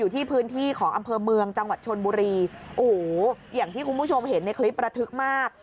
ที่พื้นที่ของอำเภอเมืองจังหวัดชนบุรีโอ้โหอย่างที่คุณผู้ชมเห็นในคลิประทึกมาก